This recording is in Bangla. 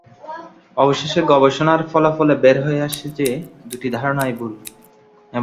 অবশেষে গবেষণার ফলাফলে বের হয়ে আসে যে, দুইটি ধারণাই ভুল।